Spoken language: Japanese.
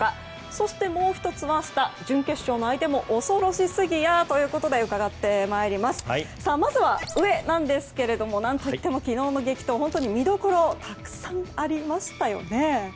そしてもう１つ準決勝の相手も恐ろしすぎやということで伺ってまいりますがまずは、何といっても昨日の激闘は見どころがたくさんありましたよね。